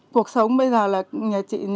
cuộc sống bây giờ là nhà chị